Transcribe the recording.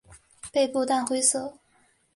背部淡灰色。